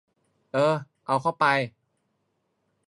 เออ เอาเข้าไป